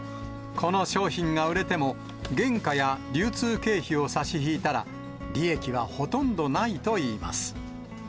この商品が売れても、原価や流通経費を差し引いたら利益はほとんどないといいます。